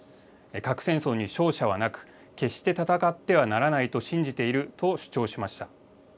核戦争に勝者はなく、決して戦ってはならないと信じていると主張しました。